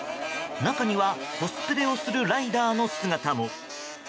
中にはコスプレをするライダーの姿も。